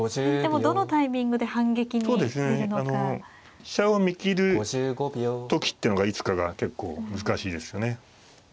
飛車を見切る時っていうのがいつかが結構難しいですよね。